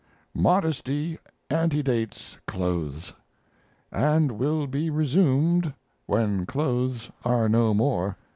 MODESTY ANTEDATES CLOTHES & will be resumed when clothes are no more.